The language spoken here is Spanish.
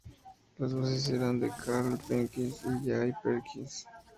Las voces eran de Carl Perkins y Jay Perkins.